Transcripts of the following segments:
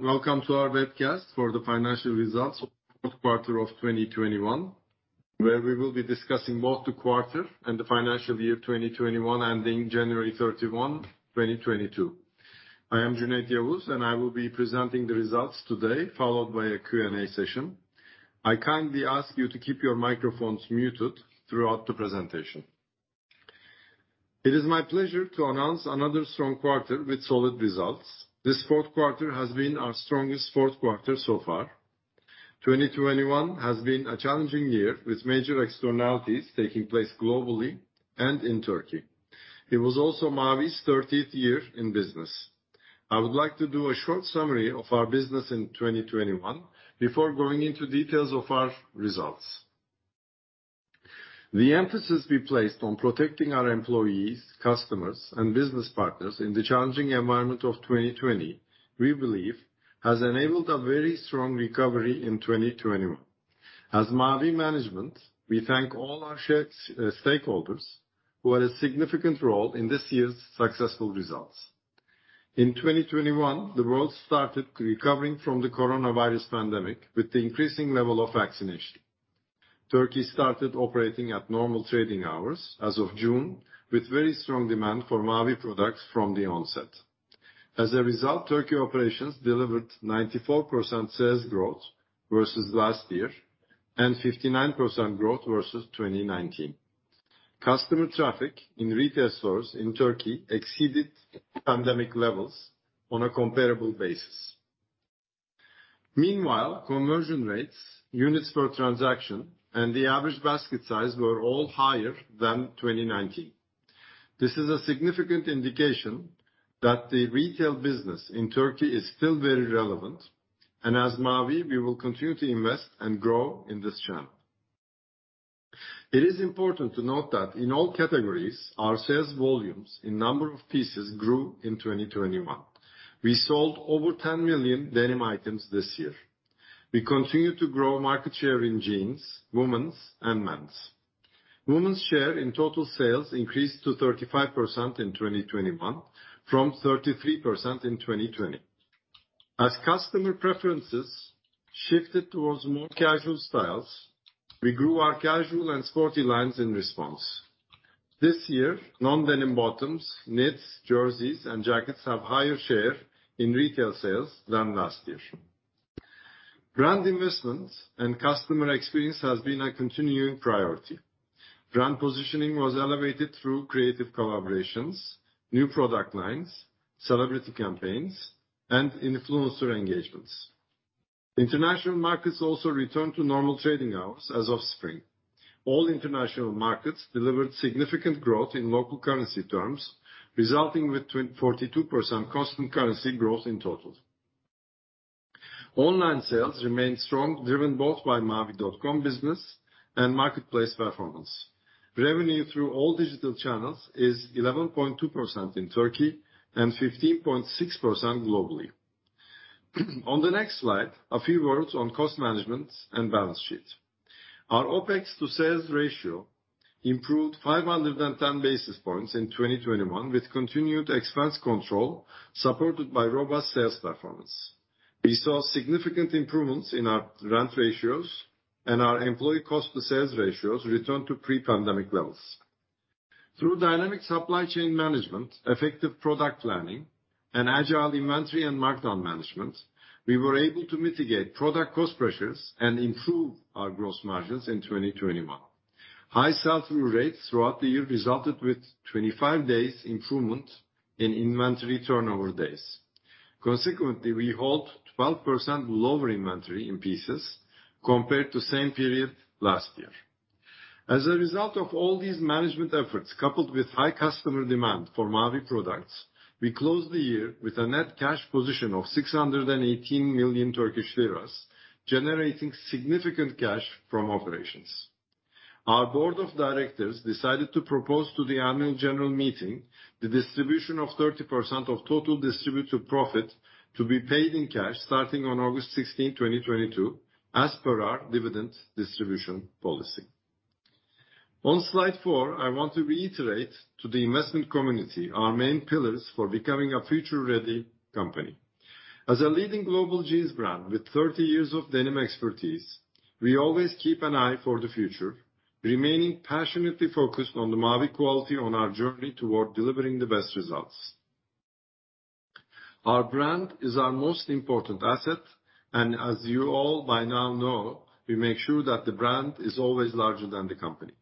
Welcome to our webcast for the financial results for fourth quarter of 2021, where we will be discussing both the quarter and the financial year of 2021, ending January 31, 2022. I am Cüneyt Yavuz, and I will be presenting the results today, followed by a Q&A session. I kindly ask you to keep your microphones muted throughout the presentation. It is my pleasure to announce another strong quarter with solid results. This fourth quarter has been our strongest fourth quarter so far. 2021 has been a challenging year, with major externalities taking place globally and in Turkey. It was also Mavi's 30th year in business. I would like to do a short summary of our business in 2021 before going into details of our results. The emphasis we placed on protecting our employees, customers, and business partners in the challenging environment of 2020, we believe, has enabled a very strong recovery in 2021. As Mavi management, we thank all our stakeholders who had a significant role in this year's successful results. In 2021, the world started recovering from the coronavirus pandemic with the increasing level of vaccination. Turkey started operating at normal trading hours as of June, with very strong demand for Mavi products from the onset. As a result, Turkey operations delivered 94% sales growth versus last year and 59% growth versus 2019. Customer traffic in retail stores in Turkey exceeded pandemic levels on a comparable basis. Meanwhile, conversion rates, units per transaction, and the average basket size were all higher than 2019. This is a significant indication that the retail business in Turkey is still very relevant, and as Mavi, we will continue to invest and grow in this channel. It is important to note that in all categories, our sales volumes in number of pieces grew in 2021. We sold over 10 million denim items this year. We continue to grow market share in jeans, women's and men's. Women's share in total sales increased to 35% in 2021 from 33% in 2020. As customer preferences shifted towards more casual styles, we grew our casual and sporty lines in response. This year, non-denim bottoms, knits, jerseys, and jackets have higher share in retail sales than last year. Brand investments and customer experience has been a continuing priority. Brand positioning was elevated through creative collaborations, new product lines, celebrity campaigns, and influencer engagements. International markets also returned to normal trading hours as of spring. All international markets delivered significant growth in local currency terms, resulting with 42% constant currency growth in total. Online sales remained strong, driven both by mavi.com business and marketplace performance. Revenue through all digital channels is 11.2% in Turkey and 15.6% globally. On the next slide, a few words on cost management and balance sheet. Our OPEX to sales ratio improved 510 basis points in 2021 with continued expense control supported by robust sales performance. We saw significant improvements in our rent ratios and our employee cost to sales ratios return to pre-pandemic levels. Through dynamic supply chain management, effective product planning, and agile inventory and markdown management, we were able to mitigate product cost pressures and improve our gross margins in 2021. High sell-through rates throughout the year resulted with 25 days improvement in inventory turnover days. Consequently, we hold 12% lower inventory in pieces compared to same period last year. As a result of all these management efforts, coupled with high customer demand for Mavi products, we closed the year with a net cash position of 618 million Turkish lira, generating significant cash from operations. Our board of directors decided to propose to the annual general meeting the distribution of 30% of total distributed profit to be paid in cash starting on August 16, 2022, as per our dividend distribution policy. On slide four, I want to reiterate to the investment community our main pillars for becoming a future-ready company. As a leading global jeans brand with 30 years of denim expertise, we always keep an eye for the future, remaining passionately focused on the Mavi quality on our journey toward delivering the best results. Our brand is our most important asset, and as you all by now know, we make sure that the brand is always larger than the company.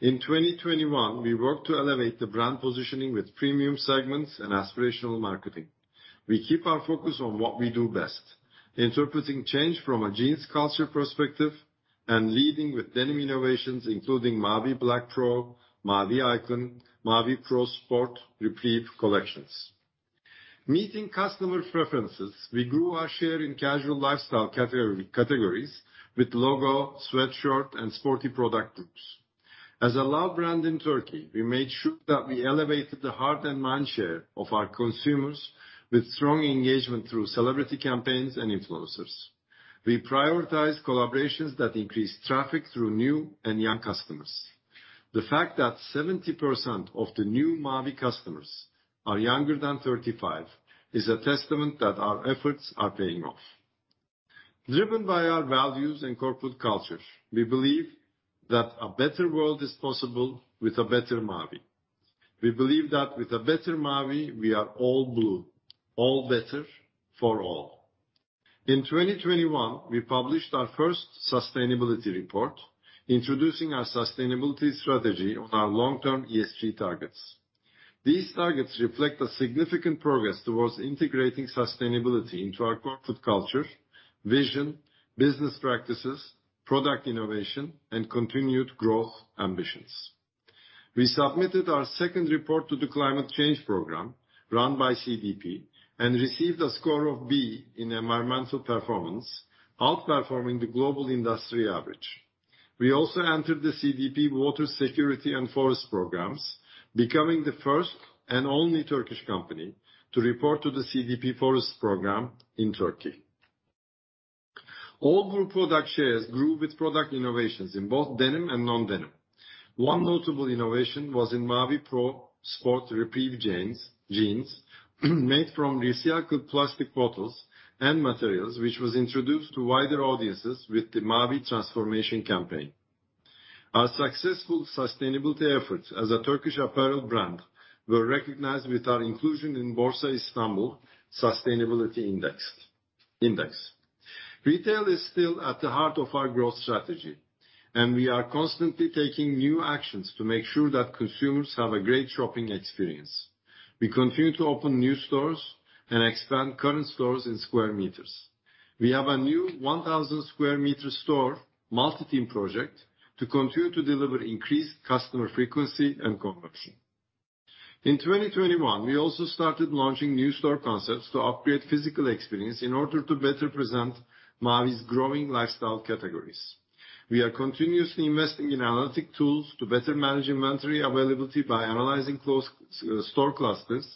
In 2021, we worked to elevate the brand positioning with premium segments and aspirational marketing. We keep our focus on what we do best, interpreting change from a jeans culture perspective and leading with denim innovations including Mavi Black Pro, Mavi Icon, Mavi Pro Sport Repreve collections. Meeting customer preferences, we grew our share in casual lifestyle category, categories with logo, sweatshirt, and sporty product groups. As a love brand in Turkey, we made sure that we elevated the heart and mind share of our consumers with strong engagement through celebrity campaigns and influencers. We prioritize collaborations that increase traffic through new and young customers. The fact that 70% of the new Mavi customers are younger than 35 is a testament that our efforts are paying off. Driven by our values and corporate culture, we believe that a better world is possible with a better Mavi. We believe that with a better Mavi, we are All Blue, all better for all. In 2021, we published our first sustainability report, introducing our sustainability strategy on our long-term ESG targets. These targets reflect a significant progress towards integrating sustainability into our corporate culture, vision, business practices, product innovation, and continued growth ambitions. We submitted our second report to the Climate Change Program run by CDP and received a score of B in environmental performance, outperforming the global industry average. We also entered the CDP Water Security and Forests Program, becoming the first and only Turkish company to report to the CDP Forests Program in Turkey. All group product shares grew with product innovations in both denim and non-denim. One notable innovation was in Mavi Pro Sport Repreve jeans made from recycled plastic bottles and materials, which was introduced to wider audiences with the Mavi transformation campaign. Our successful sustainability efforts as a Turkish apparel brand were recognized with our inclusion in Borsa Istanbul Sustainability Index. Retail is still at the heart of our growth strategy, and we are constantly taking new actions to make sure that consumers have a great shopping experience. We continue to open new stores and expand current stores in square meters. We have a new 1,000 sq m store multi-theme project to continue to deliver increased customer frequency and conversion. In 2021, we also started launching new store concepts to upgrade physical experience in order to better present Mavi's growing lifestyle categories. We are continuously investing in analytics tools to better manage inventory availability by analyzing closest store clusters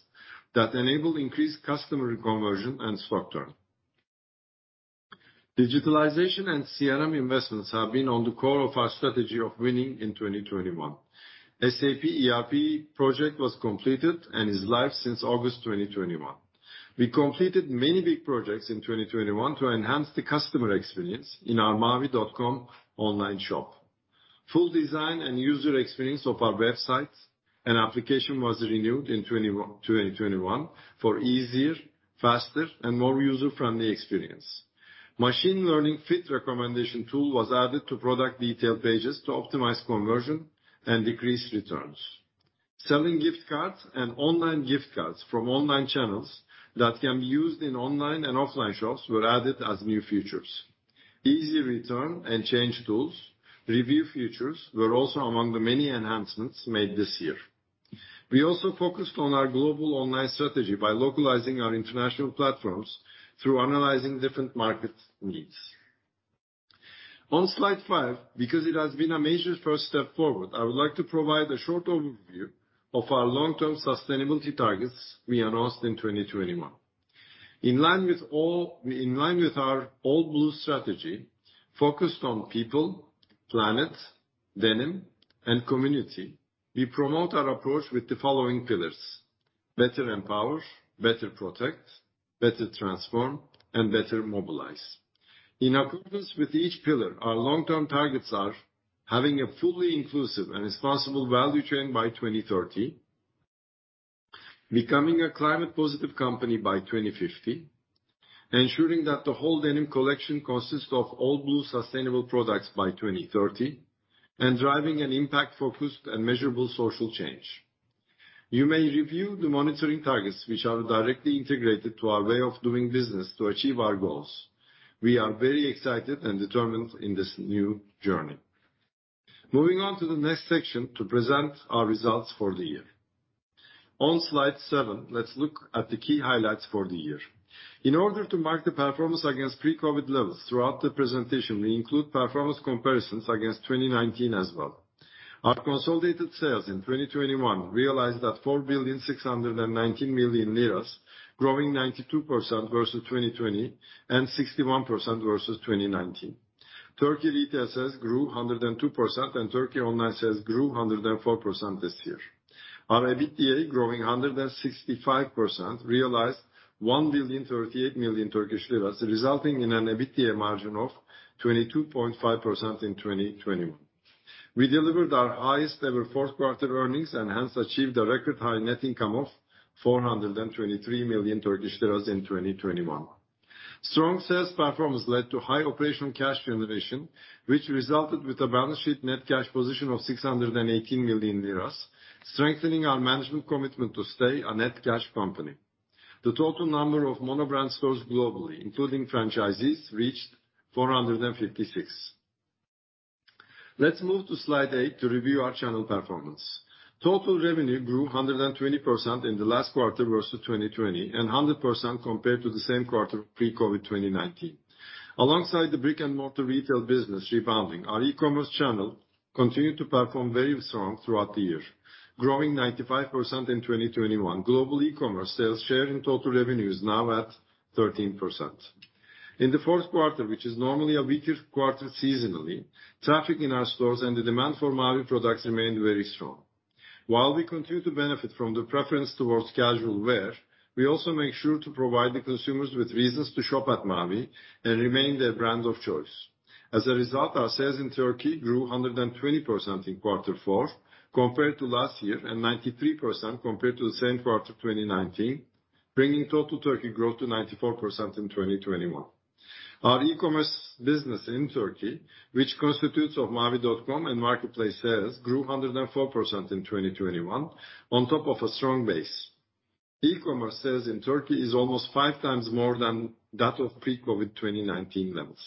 that enable increased customer conversion and stock turn. Digitalization and CRM investments have been at the core of our strategy of winning in 2021. SAP ERP project was completed and is live since August 2021. We completed many big projects in 2021 to enhance the customer experience in our mavi.com online shop. Full design and user experience of our websites and application was renewed in 2021 for easier, faster, and more user-friendly experience. Machine learning fit recommendation tool was added to product detail pages to optimize conversion and decrease returns. Selling gift cards and online gift cards from online channels that can be used in online and offline shops were added as new features. Easy return and change tools, review features were also among the many enhancements made this year. We also focused on our global online strategy by localizing our international platforms through analyzing different markets' needs. On slide five, because it has been a major first step forward, I would like to provide a short overview of our long-term sustainability targets we announced in 2021. In line with all. In line with our All Blue strategy focused on people, planet, denim, and community, we promote our approach with the following pillars, better empower, better protect, better transform, and better mobilize. In accordance with each pillar, our long-term targets are having a fully inclusive and responsible value chain by 2030, becoming a climate positive company by 2050, ensuring that the whole denim collection consists of All Blue sustainable products by 2030, and driving an impact-focused and measurable social change. You may review the monitoring targets which are directly integrated to our way of doing business to achieve our goals. We are very excited and determined in this new journey. Moving on to the next section to present our results for the year. On slide seven, let's look at the key highlights for the year. In order to mark the performance against pre-COVID levels throughout the presentation, we include performance comparisons against 2019 as well. Our consolidated sales in 2021 realized at 4.619 billion, growing 92% versus 2020 and 61% versus 2019. Turkey retail sales grew 102%, and Turkey online sales grew 104% this year. Our EBITDA, growing 165%, realized 1.038 billion, resulting in an EBITDA margin of 22.5% in 2021. We delivered our highest ever fourth quarter earnings and hence achieved a record high net income of TRY 423 million in 2021. Strong sales performance led to high operational cash generation, which resulted with a balance sheet net cash position of 618 million lira, strengthening our management commitment to stay a net cash company. The total number of mono brand stores globally, including franchisees, reached 456. Let's move to slide eight to review our channel performance. Total revenue grew 120% in the last quarter versus 2020 and 100% compared to the same quarter pre-COVID 2019. Alongside the brick and mortar retail business rebounding, our e-commerce channel continued to perform very strong throughout the year, growing 95% in 2021. Global e-commerce sales share in total revenue is now at 13%. In the fourth quarter, which is normally a weaker quarter seasonally, traffic in our stores and the demand for Mavi products remained very strong. While we continue to benefit from the preference towards casual wear, we also make sure to provide the consumers with reasons to shop at Mavi and remain their brand of choice. As a result, our sales in Turkey grew 120% in quarter four compared to last year, and 93% compared to the same quarter 2019, bringing total Turkey growth to 94% in 2021. Our e-commerce business in Turkey, which constitutes of mavi.com and marketplace sales, grew 104% in 2021 on top of a strong base. E-commerce sales in Turkey is almost 5 times more than that of pre-COVID 2019 levels.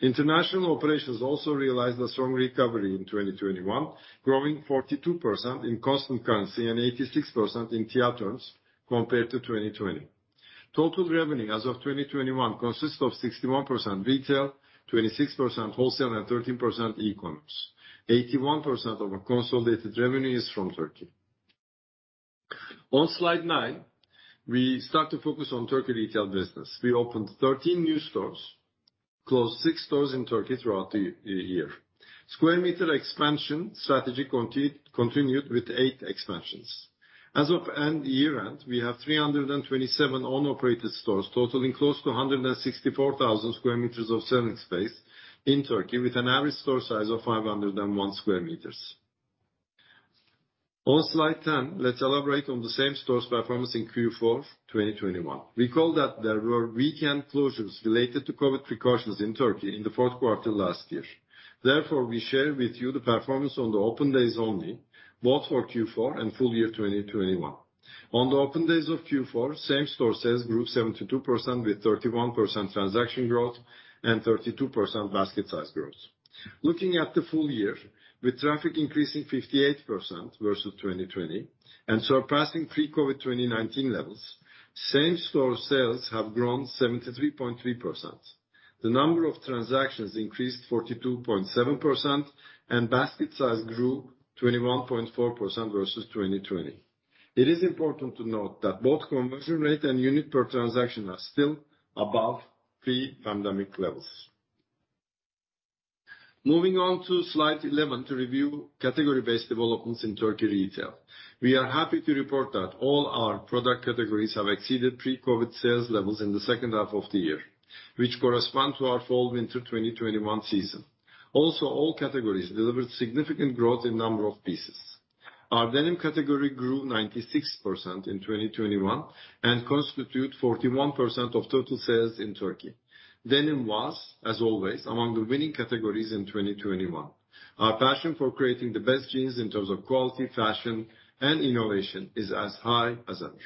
International operations realized a strong recovery in 2021, growing 42% in constant currency and 86% in lira terms compared to 2020. Total revenue as of 2021 consists of 61% retail, 26% wholesale, and 13% e-commerce. 81% of our consolidated revenue is from Turkey. On slide nine, we start to focus on Turkey retail business. We opened 13 new stores, closed six stores in Turkey throughout the year. Square meter expansion strategy continued with eight expansions. As of year-end, we have 327 own-operated stores, totaling close to 164,000 sq m of selling space in Turkey, with an average store size of 501 sq m. On slide ten, let's elaborate on the same-store performance in Q4 2021. Recall that there were weekend closures related to COVID precautions in Turkey in the fourth quarter last year. Therefore, we share with you the performance on the open days only, both for Q4 and full year 2021. On the open days of Q4, same store sales grew 72% with 31% transaction growth and 32% basket size growth. Looking at the full year, with traffic increasing 58% versus 2020 and surpassing pre-COVID 2019 levels, same store sales have grown 73.3%. The number of transactions increased 42.7% and basket size grew 21.4% versus 2020. It is important to note that both conversion rate and unit per transaction are still above pre-pandemic levels. Moving on to slide 11 to review category-based developments in Turkey retail. We are happy to report that all our product categories have exceeded pre-COVID sales levels in the second half of the year, which correspond to our fall/winter 2021 season. Also, all categories delivered significant growth in number of pieces. Our denim category grew 96% in 2021 and constitute 41% of total sales in Turkey. Denim was, as always, among the winning categories in 2021. Our passion for creating the best jeans in terms of quality, fashion, and innovation is as high as ever.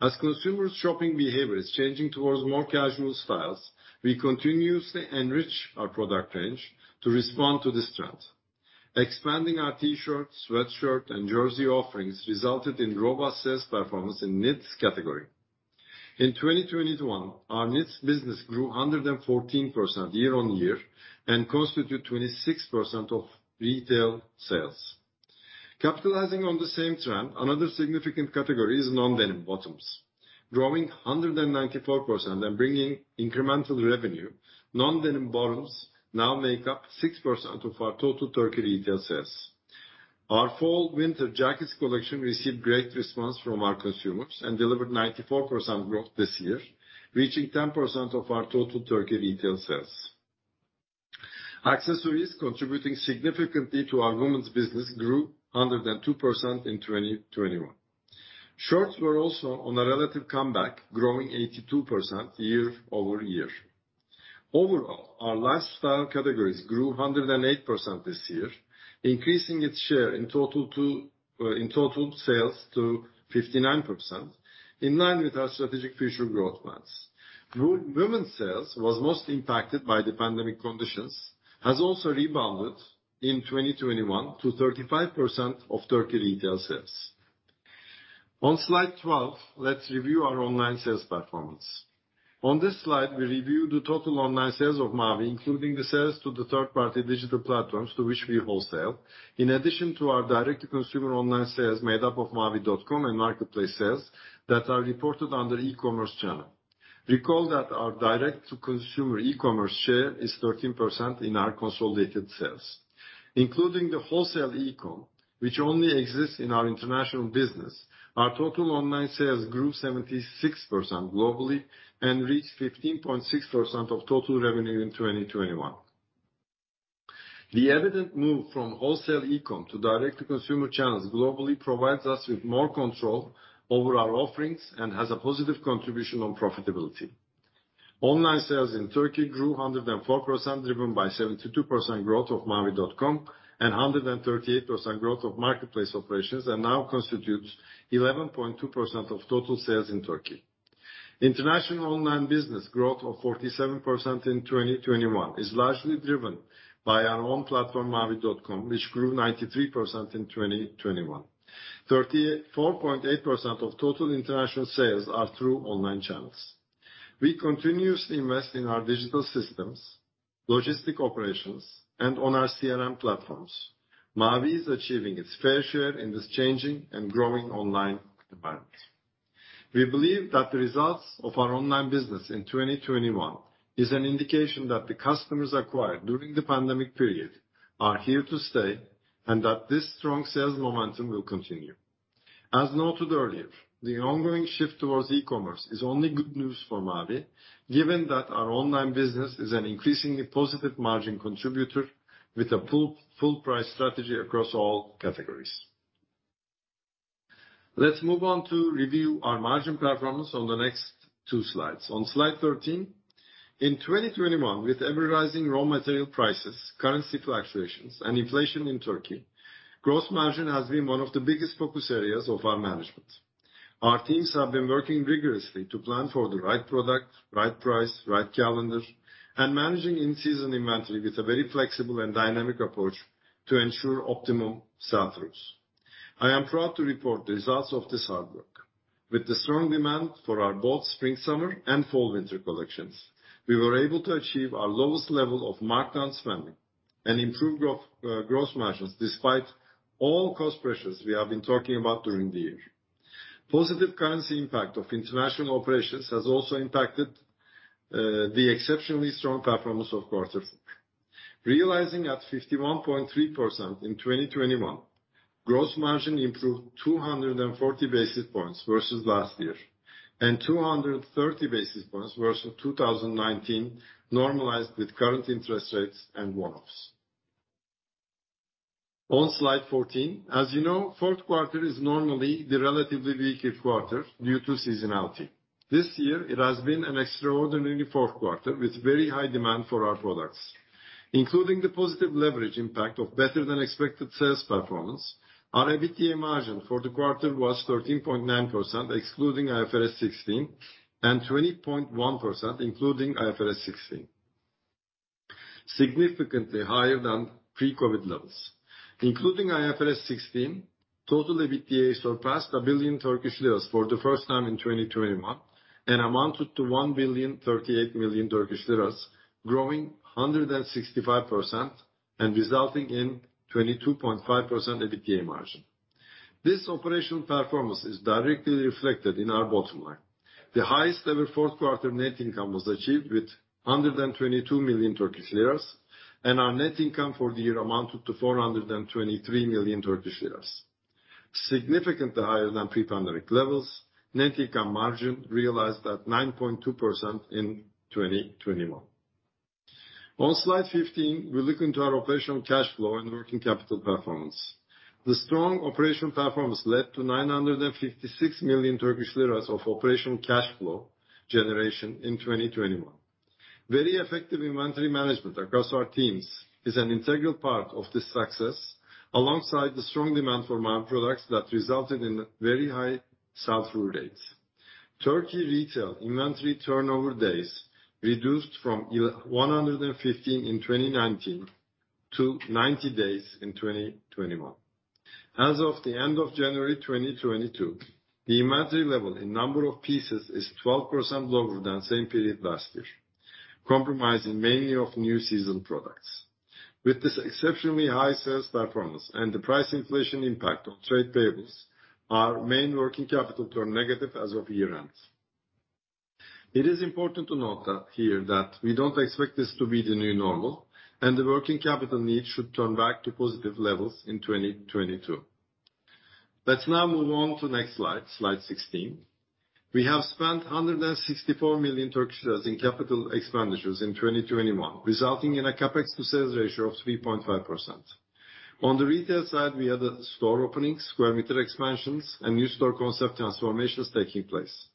As consumers' shopping behavior is changing towards more casual styles, we continuously enrich our product range to respond to this trend. Expanding our T-shirts, sweatshirt, and jersey offerings resulted in robust sales performance in knits category. In 2021, our knits business grew 114% year-on-year and constitute 26% of retail sales. Capitalizing on the same trend, another significant category is non-denim bottoms. Growing 194% and bringing incremental revenue, non-denim bottoms now make up 6% of our total Turkey retail sales. Our fall/winter jackets collection received great response from our consumers and delivered 94% growth this year, reaching 10% of our total Turkey retail sales. Accessories contributing significantly to our women's business grew 102% in 2021. Shorts were also on a relative comeback, growing 82% year-over-year. Overall, our lifestyle categories grew 108% this year, increasing its share in total to in total sales to 59% in line with our strategic future growth plans. Women's sales was most impacted by the pandemic conditions, has also rebounded in 2021 to 35% of Turkey retail sales. On slide 12, let's review our online sales performance. On this slide, we review the total online sales of Mavi, including the sales to the third party digital platforms to which we wholesale, in addition to our direct to consumer online sales made up of mavi.com and marketplace sales that are reported under e-commerce channel. Recall that our direct to consumer e-commerce share is 13% in our consolidated sales. Including the wholesale e-com, which only exists in our international business, our total online sales grew 76% globally and reached 15.6% of total revenue in 2021. The evident move from wholesale e-com to direct to consumer channels globally provides us with more control over our offerings and has a positive contribution on profitability. Online sales in Turkey grew 104%, driven by 72% growth of mavi.com and 138% growth of marketplace operations, and now constitutes 11.2% of total sales in Turkey. International online business growth of 47% in 2021 is largely driven by our own platform, mavi.com, which grew 93% in 2021. 34.8% of total international sales are through online channels. We continuously invest in our digital systems, logistic operations, and on our CRM platforms. Mavi is achieving its fair share in this changing and growing online demand. We believe that the results of our online business in 2021 is an indication that the customers acquired during the pandemic period are here to stay, and that this strong sales momentum will continue. As noted earlier, the ongoing shift towards e-commerce is only good news for Mavi, given that our online business is an increasingly positive margin contributor with a full price strategy across all categories. Let's move on to review our margin performance on the next two slides. On slide 13, in 2021, with ever-rising raw material prices, currency fluctuations, and inflation in Turkey, gross margin has been one of the biggest focus areas of our management. Our teams have been working rigorously to plan for the right product, right price, right calendar, and managing in-season inventory with a very flexible and dynamic approach to ensure optimum sell-throughs. I am proud to report the results of this hard work. With the strong demand for our both spring/summer and fall/winter collections, we were able to achieve our lowest level of markdown spending and improved gross margins despite all cost pressures we have been talking about during the year. Positive currency impact of international operations has also impacted the exceptionally strong performance of quarter four. Realizing at 51.3% in 2021, gross margin improved 240 basis points versus last year, and 230 basis points versus 2019, normalized with current interest rates and one-offs. On slide 14, as you know, fourth quarter is normally the relatively weaker quarter due to seasonality. This year it has been an extraordinarily fourth quarter with very high demand for our products. Including the positive leverage impact of better than expected sales performance, our EBITDA margin for the quarter was 13.9% excluding IFRS 16, and 20.1%, including IFRS 16, significantly higher than pre-COVID levels. Including IFRS 16, total EBITDA surpassed 1 billion Turkish lira for the first time in 2021, and amounted to 1,038 million Turkish lira, growing 165% and resulting in 22.5% EBITDA margin. This operational performance is directly reflected in our bottom line. The highest ever fourth quarter net income was achieved with 122 million Turkish lira, and our net income for the year amounted to 423 million Turkish lira, significantly higher than pre-pandemic levels. Net income margin realized at 9.2% in 2021. On slide 15, we look into our operational cash flow and working capital performance. The strong operational performance led to 956 million Turkish lira of operational cash flow generation in 2021. Very effective inventory management across our teams is an integral part of this success, alongside the strong demand for Mavi products that resulted in very high sell-through rates. Turkey retail inventory turnover days reduced from one hundred and fifteen in 2019 to 90 days in 2021. As of the end of January 2022, the inventory level in number of pieces is 12% lower than same period last year, comprising mainly of new season products. With this exceptionally high sales performance and the price inflation impact on trade payables, our net working capital turned negative as of year-end. It is important to note that here that we don't expect this to be the new normal, and the working capital need should turn back to positive levels in 2022. Let's now move on to the next slide 16. We have spent 164 million in capital expenditures in 2021, resulting in a CapEx to sales ratio of 3.5%. On the retail side, we had store openings, sq m expansions, and new store concept transformations taking place.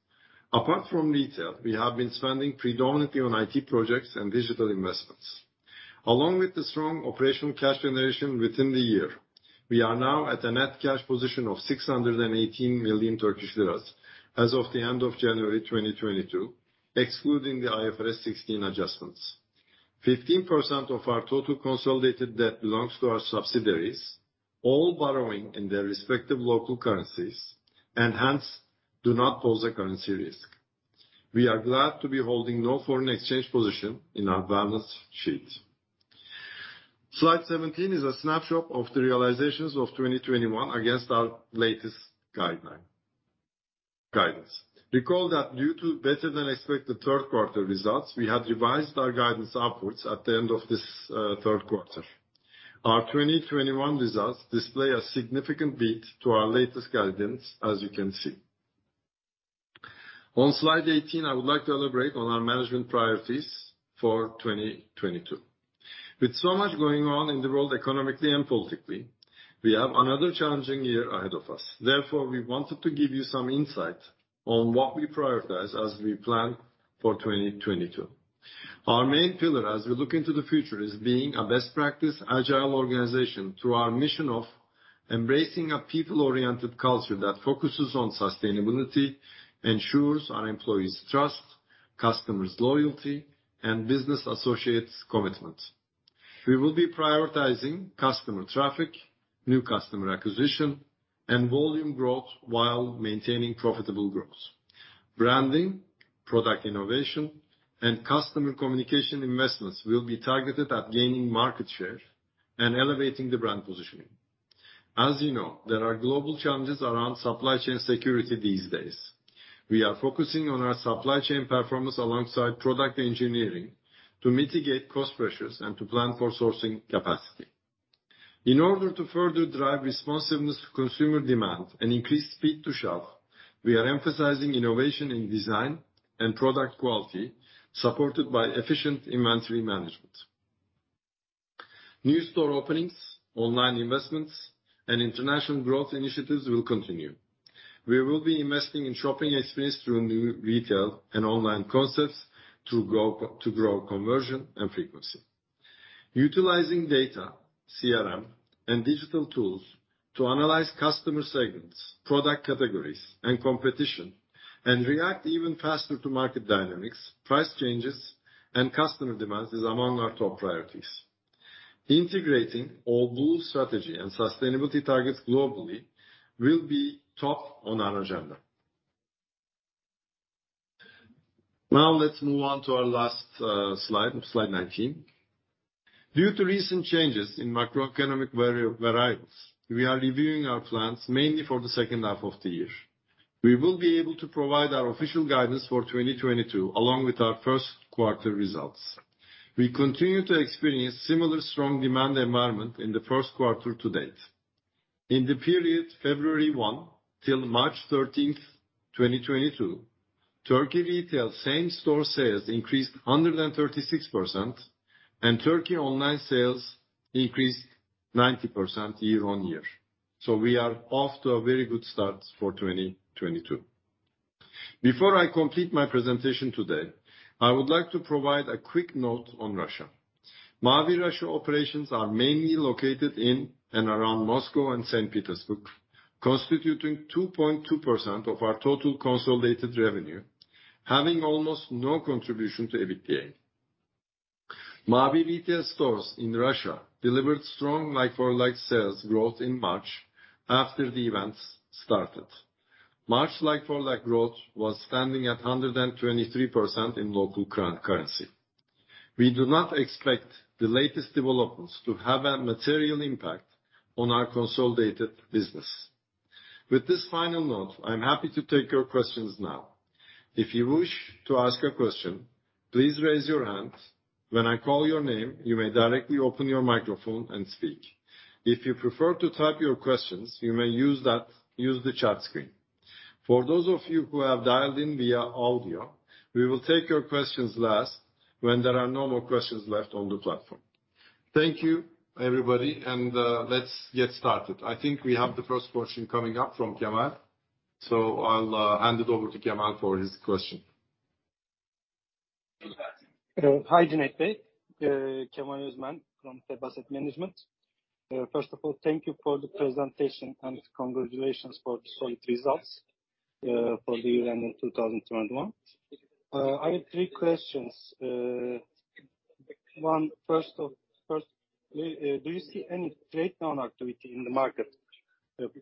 Apart from retail, we have been spending predominantly on IT projects and digital investments. Along with the strong operational cash generation within the year, we are now at a net cash position of 618 million Turkish lira as of the end of January 2022, excluding the IFRS 16 adjustments. 15% of our total consolidated debt belongs to our subsidiaries, all borrowing in their respective local currencies, and hence do not pose a currency risk. We are glad to be holding no foreign exchange position in our balance sheet. Slide 17 is a snapshot of the realizations of 2021 against our latest guideline, guidance. Recall that due to better than expected third quarter results, we had revised our guidance upwards at the end of this third quarter. Our 2021 results display a significant beat to our latest guidance, as you can see. On slide 18, I would like to elaborate on our management priorities for 2022. With so much going on in the world economically and politically, we have another challenging year ahead of us. Therefore, we wanted to give you some insight on what we prioritize as we plan for 2022. Our main pillar as we look into the future is being a best practice agile organization through our mission of embracing a people-oriented culture that focuses on sustainability, ensures our employees' trust, customers' loyalty, and business associates' commitment. We will be prioritizing customer traffic, new customer acquisition, and volume growth while maintaining profitable growth. Branding, product innovation, and customer communication investments will be targeted at gaining market share and elevating the brand positioning. As you know, there are global challenges around supply chain security these days. We are focusing on our supply chain performance alongside product engineering to mitigate cost pressures and to plan for sourcing capacity. In order to further drive responsiveness to consumer demand and increase speed to shelf, we are emphasizing innovation in design and product quality, supported by efficient inventory management. New store openings, online investments, and international growth initiatives will continue. We will be investing in shopping experience through new retail and online concepts to grow conversion and frequency. Utilizing data, CRM, and digital tools to analyze customer segments, product categories, and competition, and react even faster to market dynamics, price changes, and customer demands is among our top priorities. Integrating our All Blue strategy and sustainability targets globally will be top on our agenda. Now let's move on to our last slide, 19. Due to recent changes in macroeconomic variables, we are reviewing our plans mainly for the second half of the year. We will be able to provide our official guidance for 2022 along with our first quarter results. We continue to experience similar strong demand environment in the first quarter to date. In the period February 1 till March 13, 2022, Turkey retail same-store sales increased 136%, and Turkey online sales increased 90% year-on-year. We are off to a very good start for 2022. Before I complete my presentation today, I would like to provide a quick note on Russia. Mavi Russia operations are mainly located in and around Moscow and St. Petersburg, constituting 2.2% of our total consolidated revenue, having almost no contribution to EBITDA. Mavi retail stores in Russia delivered strong like-for-like sales growth in March after the events started. March like-for-like growth was standing at 123% in local currency. We do not expect the latest developments to have a material impact on our consolidated business. With this final note, I'm happy to take your questions now. If you wish to ask a question, please raise your hand. When I call your name, you may directly open your microphone and speak. If you prefer to type your questions, you may use that, use the chat screen. For those of you who have dialed in via audio, we will take your questions last when there are no more questions left on the platform. Thank you, everybody, and let's get started. I think we have the first question coming up from Kemal. I'll hand it over to Kemal for his question. Hi, Cüneyt Bey. Kemal Özmen from TEB Asset Management. First of all, thank you for the presentation, and congratulations for the solid results for the year-end of 2021. I have three questions. One, do you see any trade down activity in the market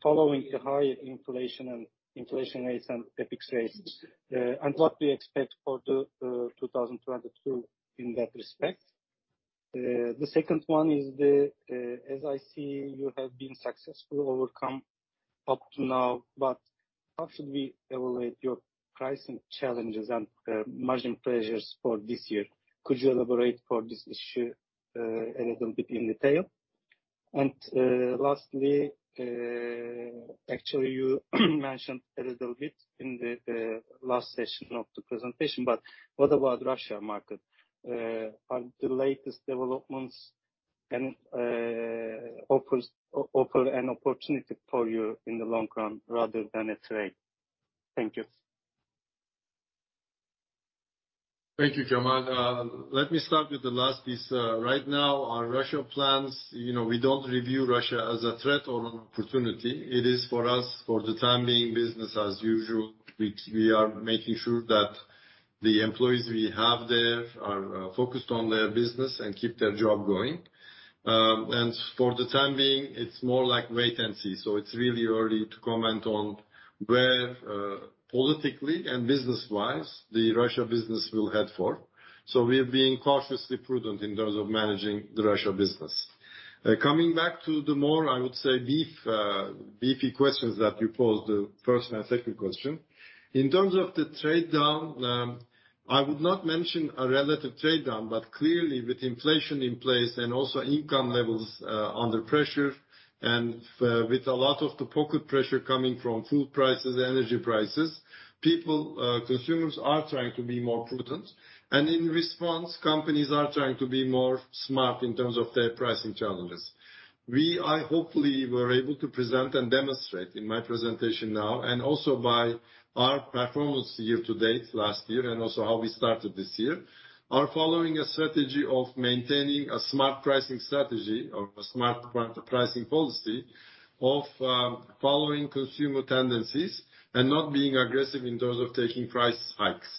following the high inflation and interest rates? What do you expect for 2022 in that respect? The second one is, as I see, you have been successfully overcome up to now, but how should we evaluate your pricing challenges and margin pressures for this year? Could you elaborate for this issue a little bit in detail? Lastly, actually, you mentioned a little bit in the last session of the presentation, but what about Russia market? Are the latest developments can offer an opportunity for you in the long run rather than a threat? Thank you. Thank you, Kemal. Let me start with the last piece. Right now, our Russia plans, you know, we don't review Russia as a threat or an opportunity. It is for us, for the time being, business as usual. We are making sure that the employees we have there are focused on their business and keep their job going. For the time being, it's more like wait-and-see. It's really early to comment on where, politically and business-wise the Russia business will head for. We're being cautiously prudent in terms of managing the Russia business. Coming back to the more, I would say, beefy questions that you posed, the first and second question. In terms of the trade down, I would not mention a relative trade down. Clearly, with inflation in place and also income levels under pressure and with a lot of the pocket pressure coming from food prices, energy prices, people, consumers are trying to be more prudent. In response, companies are trying to be more smart in terms of their pricing challenges. I hopefully were able to present and demonstrate in my presentation now, and also by our performance year to date last year and also how we started this year, are following a strategy of maintaining a smart pricing strategy or a smart pricing policy of, following consumer tendencies and not being aggressive in terms of taking price hikes.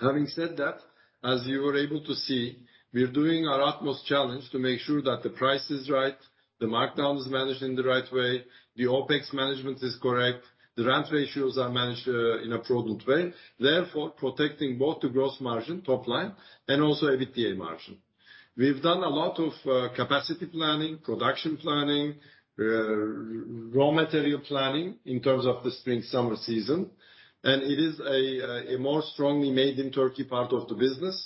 Having said that, as you were able to see, we're doing our utmost challenge to make sure that the price is right, the markdown is managed in the right way, the OPEX management is correct, the rent ratios are managed in a prudent way, therefore protecting both the gross margin top line and also EBITDA margin. We've done a lot of capacity planning, production planning, raw material planning in terms of the spring-summer season, and it is a more strongly made in Turkey part of the business.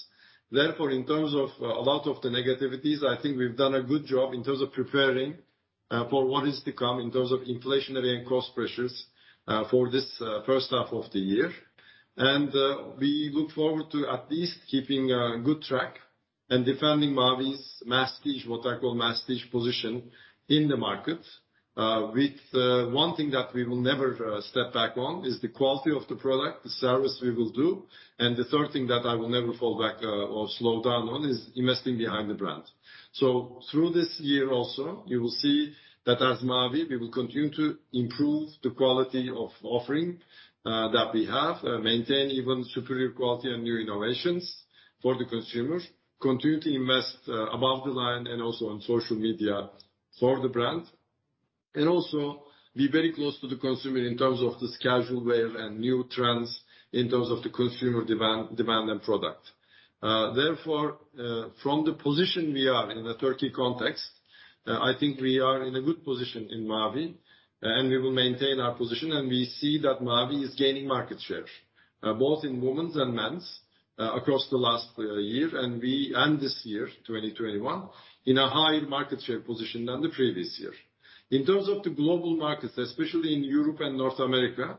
Therefore, in terms of a lot of the negativities, I think we've done a good job in terms of preparing for what is to come in terms of inflationary and cost pressures for this first half of the year. We look forward to at least keeping good track and defending Mavi's masstige, what I call masstige position in the market. With one thing that we will never step back on is the quality of the product, the service we will do. The third thing that I will never fall back or slow down on is investing behind the brand. Through this year also, you will see that as Mavi, we will continue to improve the quality of offering that we have, maintain even superior quality and new innovations for the consumer. Continue to invest above the line and also on social media for the brand. Also be very close to the consumer in terms of this casual wear and new trends in terms of the consumer demand and product. Therefore, from the position we are in the Turkish context, I think we are in a good position in Mavi, and we will maintain our position, and we see that Mavi is gaining market share, both in women's and men's, across the last year, and this year, 2021, in a higher market share position than the previous year. In terms of the global markets, especially in Europe and North America,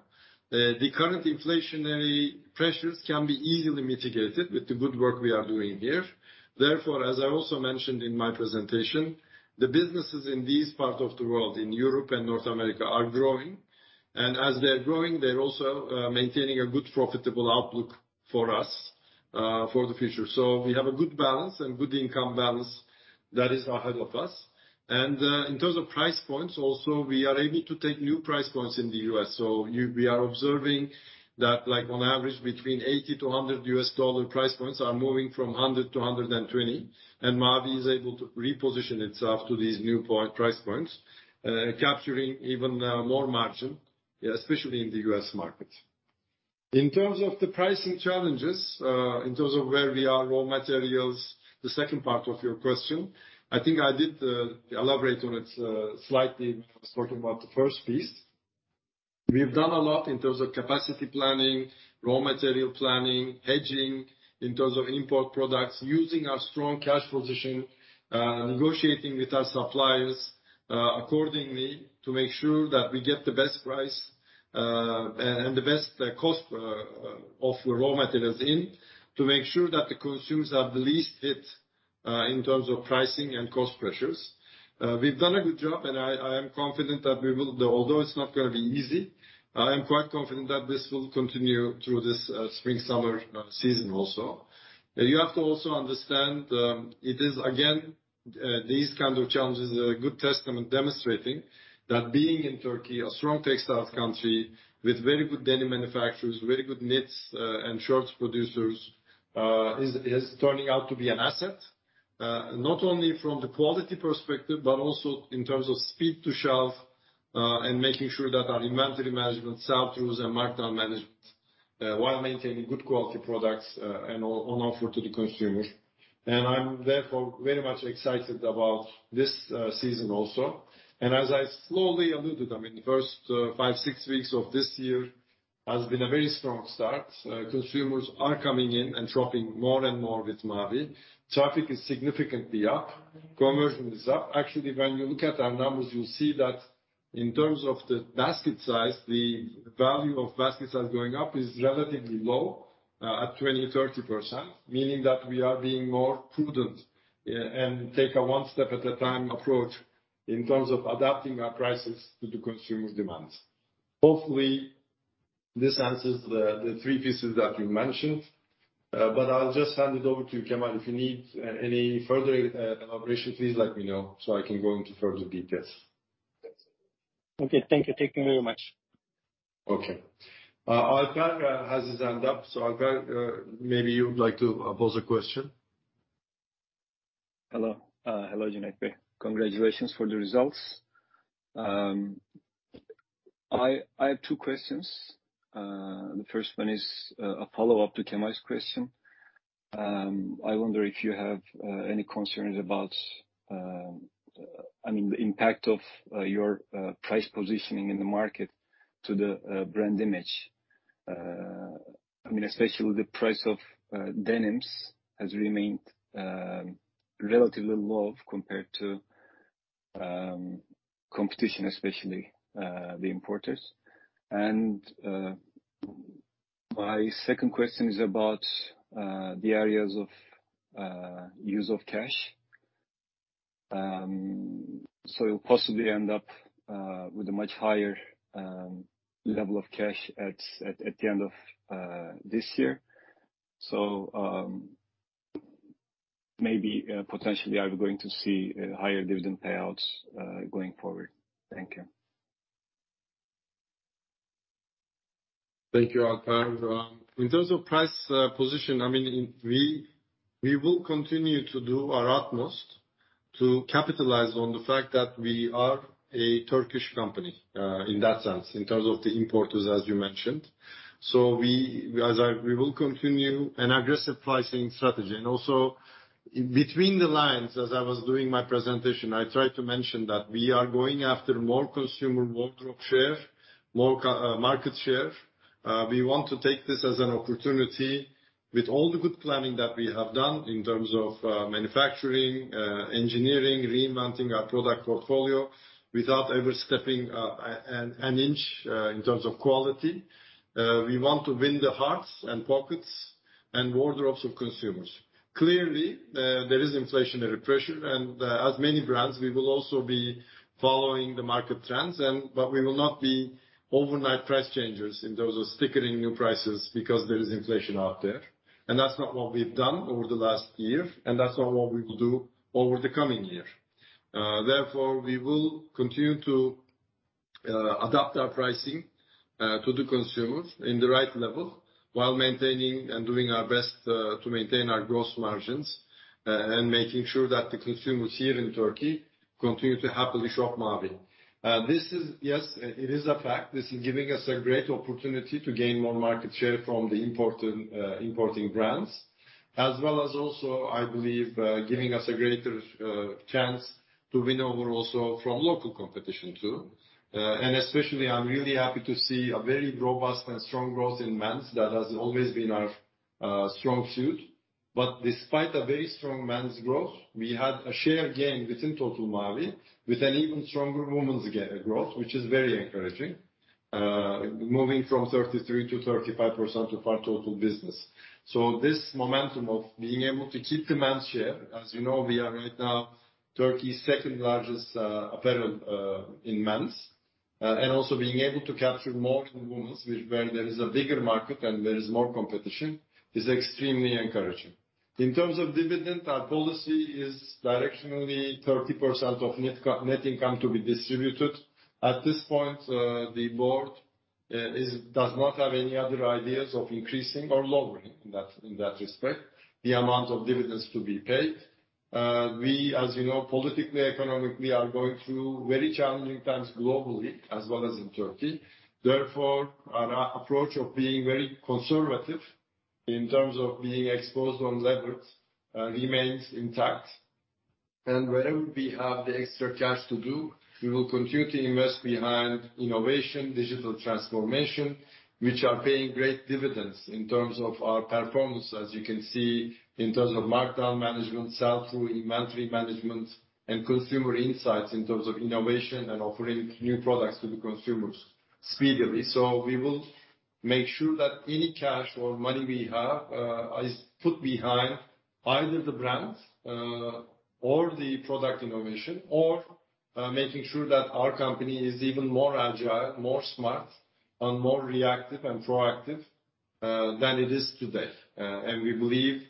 the current inflationary pressures can be easily mitigated with the good work we are doing here. Therefore, as I also mentioned in my presentation, the businesses in these parts of the world, in Europe and North America, are growing, and as they're growing, they're also maintaining a good profitable outlook for us, for the future. We have a good balance and good income balance that is ahead of us. In terms of price points also, we are able to take new price points in the U.S. We are observing that like on average between $80-$100 price points are moving from $100-$120, and Mavi is able to reposition itself to these new price points, capturing even more margin, especially in the U.S. market. In terms of the pricing challenges, in terms of where we are, raw materials, the second part of your question, I think I did elaborate on it slightly when I was talking about the first piece. We've done a lot in terms of capacity planning, raw material planning, hedging in terms of import products, using our strong cash position, negotiating with our suppliers, accordingly to make sure that we get the best price, and the best cost, of raw materials in to make sure that the consumers are the least hit, in terms of pricing and cost pressures. We've done a good job and I am confident. Although it's not gonna be easy, I am quite confident that this will continue through this spring-summer season also. You have to also understand, it is again, these kind of challenges are a good testament demonstrating that being in Turkey, a strong textile country with very good denim manufacturers, very good knits, and shorts producers, is turning out to be an asset, not only from the quality perspective, but also in terms of speed to shelf, and making sure that our inventory management, sell-through tools and markdown management, while maintaining good quality products, and on offer to the consumer. I'm therefore very much excited about this season also. As I slowly alluded, I mean, the first five, six weeks of this year has been a very strong start. Consumers are coming in and shopping more and more with Mavi. Traffic is significantly up. Conversion is up. Actually, when you look at our numbers, you'll see that in terms of the basket size, the value of basket size going up is relatively low at 20%-30%, meaning that we are being more prudent and take a one step at a time approach in terms of adapting our prices to the consumer demands. Hopefully, this answers the three pieces that you mentioned. I'll just hand it over to Kemal. If you need any further elaboration, please let me know, so I can go into further details. Okay. Thank you. Thank you very much. Okay. Alper has his hand up. Alper, maybe you would like to pose a question. Hello. Hello Cüneyt Bey. Congratulations for the results. I have two questions. The first one is a follow-up to Kemal's question. I wonder if you have any concerns about, I mean, the impact of your price positioning in the market to the brand image. I mean, especially the price of denims has remained relatively low compared to competition, especially the importers. My second question is about the areas of use of cash. You'll possibly end up with a much higher level of cash at the end of this year. Maybe potentially, are we going to see higher dividend payouts going forward? Thank you. Thank you, Alper. In terms of price position, I mean, we will continue to do our utmost to capitalize on the fact that we are a Turkish company, in that sense, in terms of the importers as you mentioned. We will continue an aggressive pricing strategy. Also, between the lines as I was doing my presentation, I tried to mention that we are going after more consumer wardrobe share, more market share. We want to take this as an opportunity with all the good planning that we have done in terms of manufacturing, engineering, remounting our product portfolio, without ever stepping an inch in terms of quality. We want to win the hearts and pockets and wardrobes of consumers. Clearly, there is inflationary pressure, and as many brands, we will also be following the market trends. We will not be overnight price changers in terms of stickering new prices because there is inflation out there. That's not what we've done over the last year, and that's not what we will do over the coming year. Therefore, we will continue to adapt our pricing to the consumers in the right level while maintaining and doing our best to maintain our gross margins and making sure that the consumers here in Turkey continue to happily shop Mavi. Yes, it is a fact, this is giving us a great opportunity to gain more market share from the imported importing brands, as well as also, I believe, giving us a greater chance to win over also from local competition too. Especially I'm really happy to see a very robust and strong growth in men's that has always been our strong suit. Despite a very strong men's growth, we had a share gain within total Mavi with an even stronger women's growth, which is very encouraging, moving from 33%-35% of our total business. This momentum of being able to keep the men's share, as you know we are right now Turkey's second largest apparel in men's. Being able to capture more in women's which where there is a bigger market and there is more competition, is extremely encouraging. In terms of dividend, our policy is directionally 30% of net income to be distributed. At this point, the board does not have any other ideas of increasing or lowering in that respect, the amount of dividends to be paid. We as you know, politically, economically are going through very challenging times globally as well as in Turkey. Therefore, our approach of being very conservative in terms of being exposed on leverage remains intact. Wherever we have the extra cash to do, we will continue to invest behind innovation, digital transformation, which are paying great dividends in terms of our performance. As you can see, in terms of markdown management, sell-through, inventory management, and consumer insights in terms of innovation and offering new products to the consumers speedily. We will make sure that any cash or money we have is put behind either the brands or the product innovation or making sure that our company is even more agile, more smart, and more reactive and proactive than it is today. We believe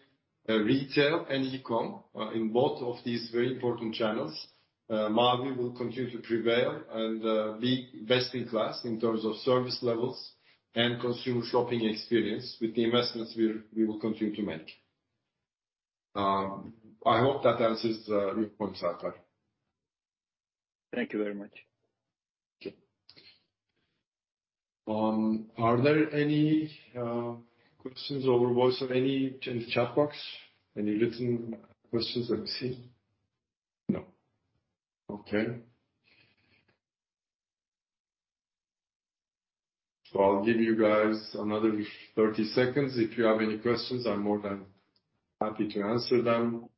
that retail and e-com in both of these very important channels Mavi will continue to prevail and be best in class in terms of service levels and consumer shopping experience with the investments we will continue to make. I hope that answers your point, Alper. Thank you very much. Okay. Are there any questions over voice or any in chat box? Any written questions? No. Okay. I'll give you guys another 30 seconds. If you have any questions, I'm more than happy to answer them.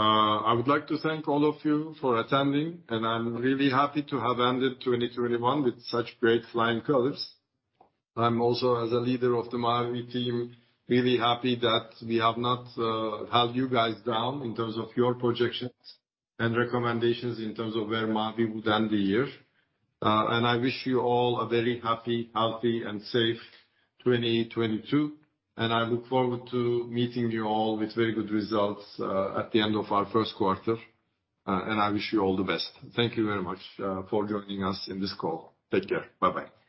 I would like to thank all of you for attending, and I'm really happy to have ended 2021 with such great flying colors. I'm also, as a leader of the Mavi team, really happy that we have not held you guys down in terms of your projections and recommendations in terms of where Mavi would end the year. I wish you all a very happy, healthy, and safe 2022, and I look forward to meeting you all with very good results at the end of our first quarter. I wish you all the best. Thank you very much, for joining us in this call. Take care. Bye-bye.